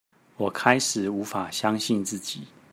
我開始無法相信自己